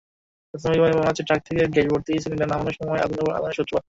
প্রাথমিকভাবে মনে হচ্ছে, ট্রাক থেকে গ্যাসভর্তি সিলিন্ডার নামানোর সময় আগুনের সূত্রপাত।